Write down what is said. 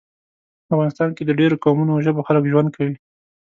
افغانستان کې د ډیرو قومونو او ژبو خلک ژوند کوي